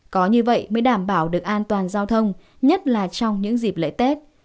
có như vậy mới đảm bảo được an toàn giao thông nhất là trong những dịp lễ tết